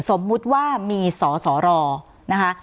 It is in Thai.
สมมุติว่ามีสอสอรอนะคะ